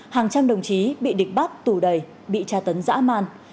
hàng trăm đồng chí bị địch bắt tù đầy bị tra tấn dã man